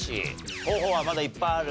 候補はまだいっぱいある？